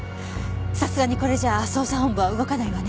さすがにこれじゃあ捜査本部は動かないわね。